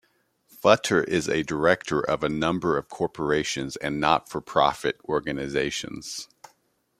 Futter is a director of a number of corporations and not-for-profit organizations.